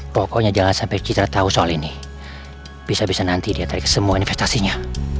pokoknya jangan sampai citra tahu soal ini bisa bisa nanti dia tarik semua investasinya